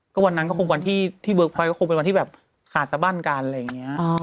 ก็วันนั้นก็คงวันที่เบิร์กพอยก็คงเป็นวันที่แบบขาดสบั้นกันอะไรอย่างนี้